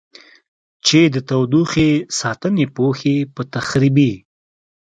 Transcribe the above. چې د تودوخې ساتنې پوښ یې په تخریبي